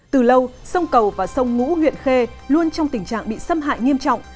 từ lâu sông cầu và sông ngũ huyện khê luôn trong tình trạng bị xâm hại nghiêm trọng